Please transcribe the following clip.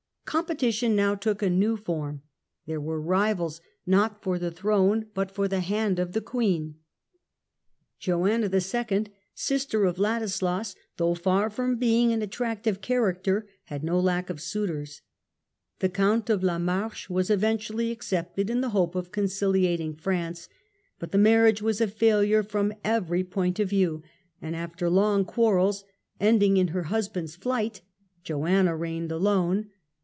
Competition now took a new form : there were rivals Joanna ii. not for the throne but for the hand of the Queen. Joanna II., sister of Ladislas, though far from being an attractive character, had no lack of suitors. The Count of La Marche was eventually accepted, in the hope of conciliat ing France ; but the marriage was a failure from every point of view, and after long quarrels, ending in her hus band's flight, Joanna reigned alone.